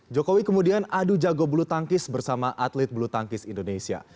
jokowi kemudian adu jago bulu tangkis bersama atlet bulu tangkis indonesia